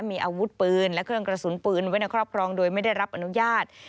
มีอาวุธปืนและเครื่องกระสุนปืนไว้ในครอบครองโดยไม่ได้รับอนุญาต